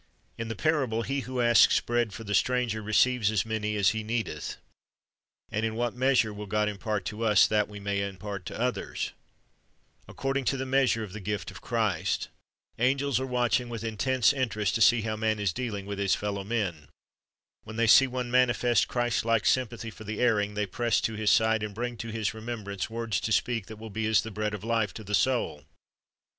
In the parable, he who asks bread for the stranger, receives "as many as he needeth." And in what measure will God impart to us that we may impart to others ?— 1 Mark 11 : 24 ; John 14 : 13; i John 5:14. '5 2jer. 14 : 21 'Asking to Give 149 "According to the measure of the gift of Christ."' Angels are watching with intense interest to see how man is dealing with his fellow men. When they see one manifest Christlike sympathy for the erring, they press to his side, and bring to his remembrance words to speak that will be as the bread of life to the soul.